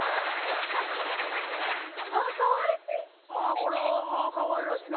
これはかわいらしいな。